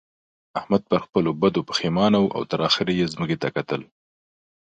احمد پر خپلو بدو پېښمانه وو او تر اخېره يې ځمکې ته کتل.